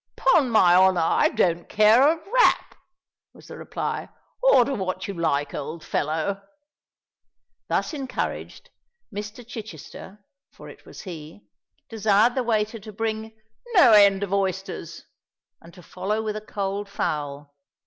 "'Pon my honour, I don't care a rap," was the reply. "Order what you like, old fellow." Thus encouraged, Mr. Chichester (for it was he) desired the waiter to bring "no end of oysters," and to follow with a cold fowl.